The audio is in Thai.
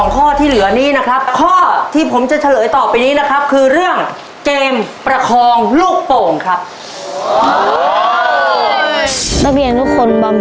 ข้อที่เหลือนี้ผมไม่อยากให้พลาดแม้แต่ข้อเดียวนะ